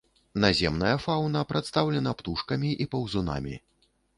Наземная фаўна прадстаўлена птушкамі і паўзунамі.